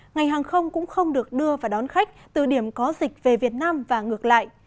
ngành hàng không cũng không được đưa và đón khách từ điểm có dịch về việt nam và ngược lại